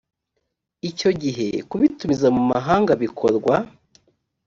icyo gihe kubitumiza mu mahanga bikorwa